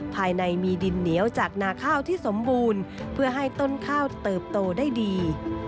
ภายในมีดินเหนียวจากนาข้าวที่สมบูรณ์เพื่อให้ต้นข้าวเติบโตได้ดี